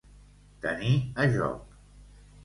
Tenir a joc.